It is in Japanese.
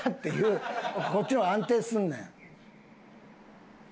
こっちの方が安定すんねん。